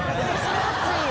熱いよ。